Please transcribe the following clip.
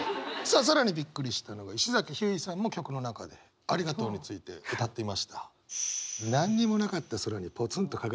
さあ更にびっくりしたのが石崎ひゅーいさんも曲の中で「ありがとう」について歌っていました。